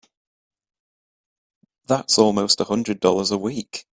That's almost a hundred dollars a week!